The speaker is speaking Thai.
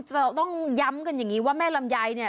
เราต้องย้ำกันอย่างนี้ว่าแม่ลำไยเนี่ย